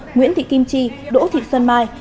nguyễn thị kim chi đỗ thị xuân mai